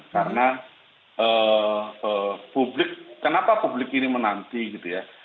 karena publik kenapa publik ini menanti gitu ya